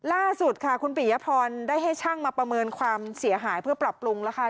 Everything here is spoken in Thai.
ล่าสุดค่ะคุณปิยพรได้ให้ช่างมาประเมินความเสียหายเพื่อปรับปรุงแล้วค่ะ